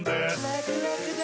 ラクラクだ！